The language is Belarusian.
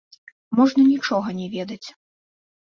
Можна нічога не ведаць.